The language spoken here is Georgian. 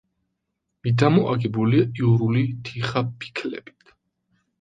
მიდამო აგებულია იურული თიხაფიქლებით.